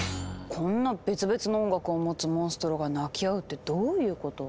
こんな別々の音楽を持つモンストロが鳴き合うってどういうこと？